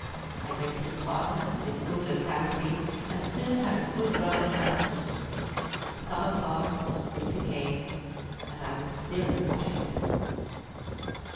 I rented apartments in a good locality, and soon had a good run of custom. The summer passed, winter came, and I was still in Washington.